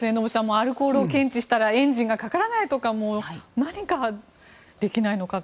アルコールを検知したらエンジンがかからないとか何かできないのかと。